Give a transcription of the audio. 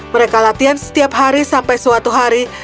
mereka latihan setiap hari sampai suatu hari